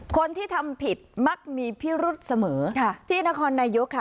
คนที่ทำผิดมักมีพิรุษเสมอค่ะที่นครนายกค่ะ